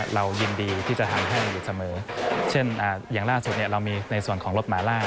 เรายินดีที่จะทำให้อยู่เสมอเช่นอย่างล่าสุดเรามีในส่วนของรถหมาล่า